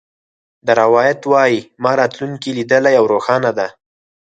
دا روایت وایي ما راتلونکې لیدلې او روښانه ده